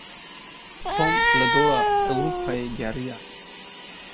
Tom li dora Ewropayê geriya.